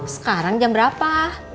sekarang jam berapa